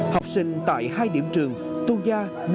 học sinh tại hai điểm trường